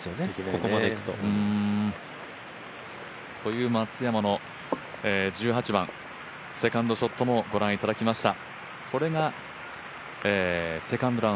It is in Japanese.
ここまでいくと。という、松山の１８番、セカンドショットもご覧いただきました。